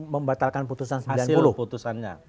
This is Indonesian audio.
membatalkan putusan sembilan puluh putusannya